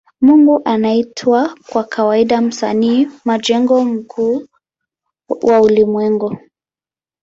Mungu anaitwa kwa kawaida Msanii majengo mkuu wa ulimwengu.